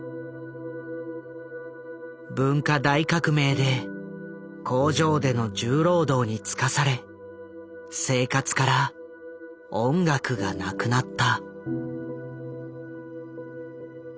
文化大革命で工場での重労働に就かされ生活から音楽がなくなった。